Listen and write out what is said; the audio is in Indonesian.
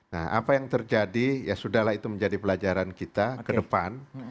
nah apa yang terjadi ya sudah lah itu menjadi pelajaran kita ke depan